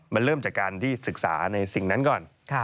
มันเริ่มจากการที่ศึกษาในสิ่งนั้นก่อน